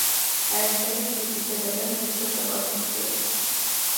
აერთიანებს მიწისზედა და მიწისქვეშა კონსტრუქციებს.